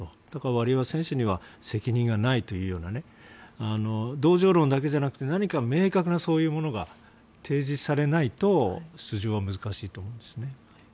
だからワリエワ選手には責任がないというような同情論だけでなく何か明確なものが提示されないと出場は難しいと思うんですね。